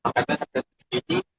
kada kada di sini